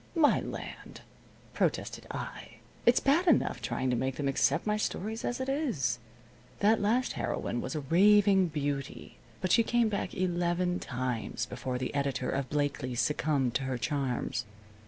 "My land!" protested I. "It's bad enough trying to make them accept my stories as it is. That last heroine was a raving beauty, but she came back eleven times before the editor of Blakely's succumbed to her charms."